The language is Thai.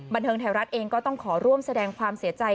บันเทิงไทยรัฐเองก็ต้องขอร่วมแสดงความเสียใจ